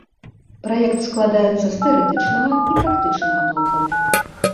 Праект складаецца з тэарэтычнага і практычнага блокаў.